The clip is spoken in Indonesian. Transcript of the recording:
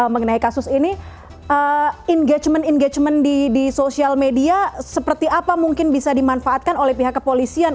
mengenai kasus ini engagement engagement di sosial media seperti apa mungkin bisa dimanfaatkan oleh pihak kepolisian